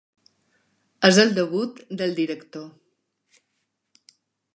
És el debut del director.